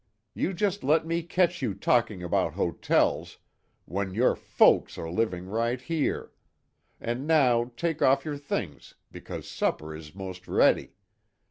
You just let me catch you talking about hotels when your folks are living right here! And now take off your things because supper is most ready.